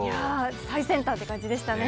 最先端って感じでしたね。